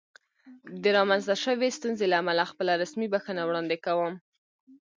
د رامنځته شوې ستونزې له امله خپله رسمي بښنه وړاندې کوم.